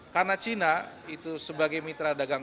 karena cina itu sebagai mitra dagang